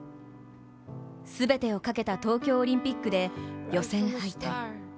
全てを懸けた東京オリンピックで予選敗退。